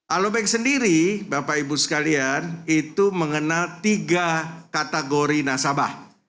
alobank sendiri bapak ibu sekalian itu mengenal tiga kategori nasabah